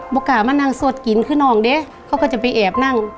บุกกะมะนางสวดกินขึ้นออกได้เขาก็จะไปแอบนั่ง